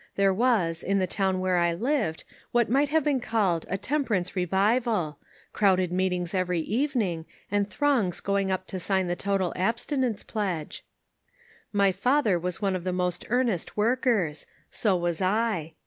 There was, in the town where I lived, what might have been called a temperance revival — crowded meetings every evening, and throngs going up to sign the total abstinence pledge. My father was one of the most earnest workers; so was I.